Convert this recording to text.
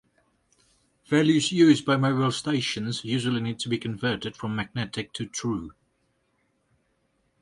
Values used by mobile stations usually need to be converted from Magnetic to True.